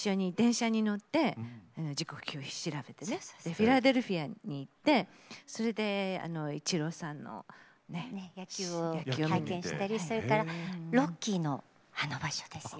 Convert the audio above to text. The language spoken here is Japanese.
フィラデルフィアに行ってそれでイチローさんのね。野球を拝見したりそれから「ロッキー」のあの場所ですよ。